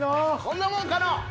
こんなもんかな。